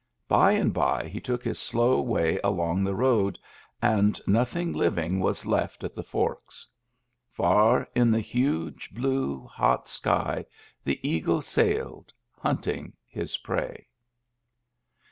By and by he took his slow way along the road, and nothing living was left at the Forks. Far in the huge, blue, hot sky the eagle sailed, hunting his prey.